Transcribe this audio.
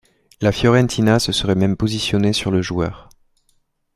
La Fiorentina se serait même positionnée sur le joueur.